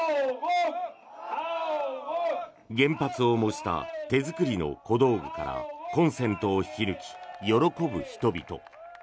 原発を模した手作りの小道具からコンセントを引き抜き喜ぶ人々。